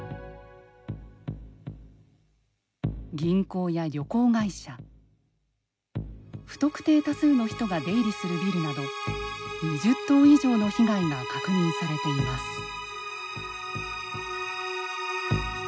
銀行や旅行会社不特定多数の人が出入りするビルなど２０棟以上の被害が確認されています。